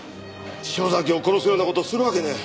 潮崎を殺すような事するわけねえ。